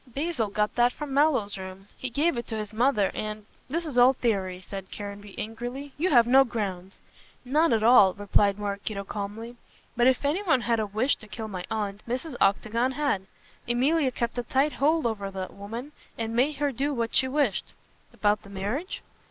"Basil got that from Mallow's room. He gave it to his mother, and " "This is all theory," said Caranby angrily, "you have no grounds." "None at all," replied Maraquito calmly, "but if anyone had a wish to kill my aunt, Mrs. Octagon had. Emilia kept a tight hold over that woman, and made her do what she wished." "About the marriage?"